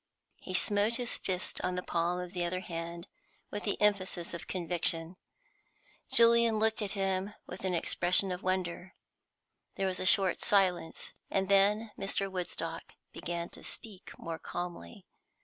He smote his fist on the palm of the other hand with the emphasis of conviction. Julian looked at him with an expression of wonder. There was a short silence, and then Mr. Woodstock began to speak more calmly.